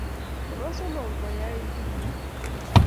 nebo somok, koyait mungaret